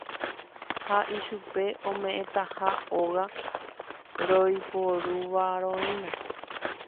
Ha ichupe ome'ẽtaha óga roiporuvaroína.